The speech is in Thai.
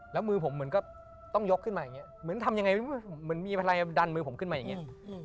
แล้วมือผมเหมือนก็ต้องยกขึ้นมาอย่างนี้เหมือนทำยังไงเหมือนมีพลังดันมือผมขึ้นมาอย่างนี้